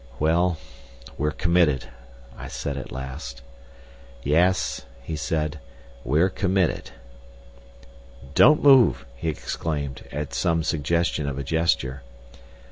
"Well, we're committed," I said at last. "Yes," he said, "we're committed." "Don't move," he exclaimed, at some suggestion of a gesture.